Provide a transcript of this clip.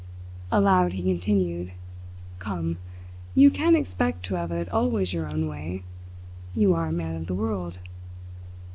Aloud he continued: "Come! You can't expect to have it always your own way. You are a man of the world."